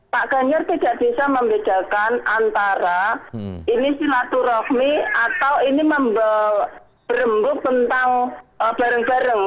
pak ganjar tidak bisa membedakan antara ini silaturahmi atau ini berembuk tentang bareng bareng